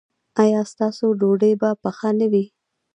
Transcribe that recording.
ایا ستاسو ډوډۍ به پخه نه وي؟